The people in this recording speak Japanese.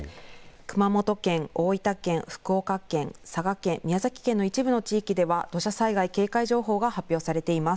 熊本県、大分県、福岡県、佐賀県、宮崎県の一部の地域では土砂災害警戒情報が発表されています。